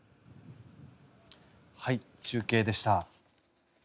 中継でした。